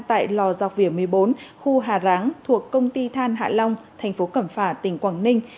tại lò giọc vỉa một mươi bốn khu hà ráng thuộc công ty than hạ long thành phố cẩm phả tỉnh quảng ninh